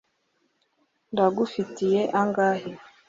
ndagufitiye angahe